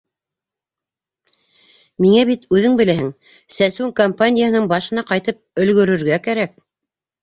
Миңә бит, үҙең беләһең, сәсеү кампанияһының башына ҡайтып өлгөрөргә кәрәк.